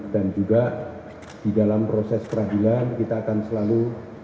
dan juga di dalam proses peradilan kita akan selalu